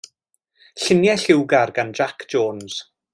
Lluniau lliwgar gan Jac Jones.